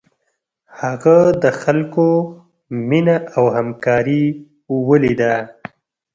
هغه د خلکو مینه او همکاري ولیده.